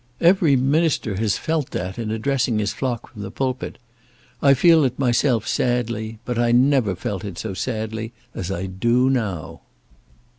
Every minister has felt that in addressing his flock from the pulpit. I feel it myself sadly, but I never felt it so sadly as I do now."